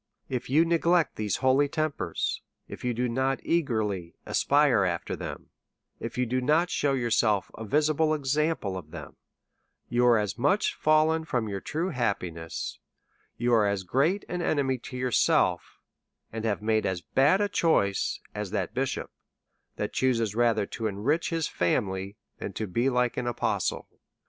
If you neglect these holy tempers, if you do not eagerly aspire after them, if you do not shewyourself a visible example of them, you are as much fallen from your true happiness, you are as great an enemy to yourself, and have made as bad a choice as that bishop who chooses rather to enrich his family than to be like an apostle.